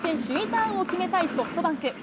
ターンを決めたいソフトバンク。